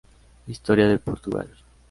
História de Portugal.